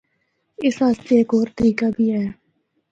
اس اسطے ہک ہور طریقہ بھی ہے۔